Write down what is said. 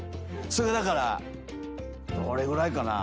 それだからどれぐらいかな？